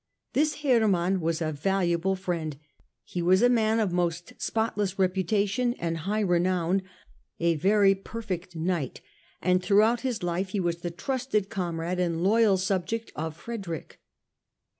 This Hermann was a valuable friend : he was a man of most spotless reputa tion and high renown, a very perfect knight, and through out his life he was the trusted comrade and loyal subject of Frederick.